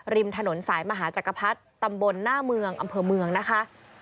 ริมถนนสายมหาจักรพรรดิตำบลหน้าเมืองอำเภอเมืองนะคะ